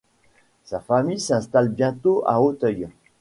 Sa famille s'installe bientôt à Auteuil.